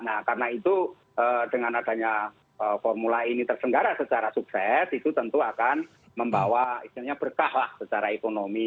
nah karena itu dengan adanya formula ini tersenggara secara sukses itu tentu akan membawa istilahnya berkah lah secara ekonomi